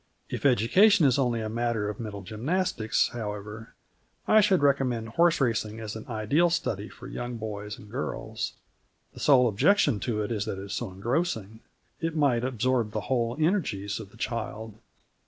If education is only a matter of mental gymnastics, however, I should recommend horse racing as an ideal study for young boys and girls. The sole objection to it is that it is so engrossing; it might absorb the whole energies of the child.